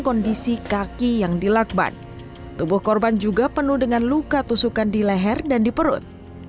kondisi kaki yang dilakban tubuh korban juga penuh dengan luka tusukan di leher dan di perut